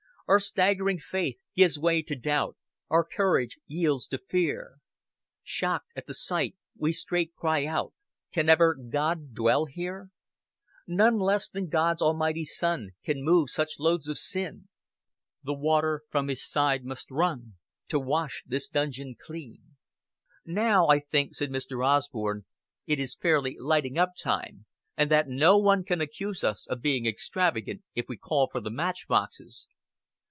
"Our staggering faith gives way to doubt, Our courage yields to fear; Shocked at the sight, we straight cry out, 'Can ever God dwell here?' "None less than God's Almighty Son Can move such loads of sin; The water from his side must run, To wash this dungeon clean." "Now, I think," said Mr. Osborn, "it is fairly lighting up time, and that no one can accuse us of being extravagant if we call for the match boxes.